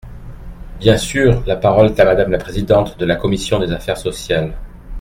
Bien sûr ! La parole est à Madame la présidente de la commission des affaires sociales.